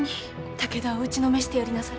武田を打ちのめしてやりなされ。